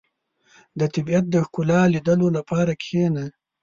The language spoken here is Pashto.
• د طبیعت د ښکلا لیدلو لپاره کښېنه.